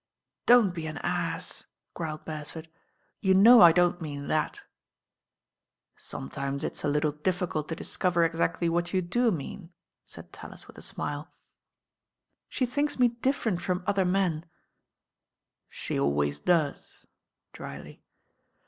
Dont be an ass," growled Beresford. "You know I don't mean that." "Sometimes it's a little difficult to discover ex •cdy what you do mean." said Tallis with a smile. She thinks me different from other men " She always does," drily.